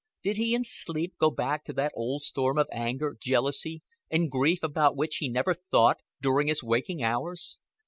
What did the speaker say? Did he in sleep go back to that old storm of anger, jealousy, and grief about which he never thought during his waking hours?